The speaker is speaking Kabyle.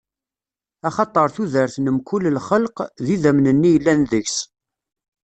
Axaṭer tudert n mkul lxelq, d idammen-nni yellan deg-s.